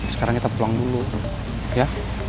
sekarang kita pulang dulu tuh ya